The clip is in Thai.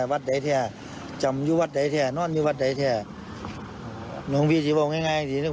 วัดไหนแท้จำอยู่วัดไหนแท้นอนอยู่วัดไหนแท้หลวงพี่จะบอกง่ายง่ายจริงจริง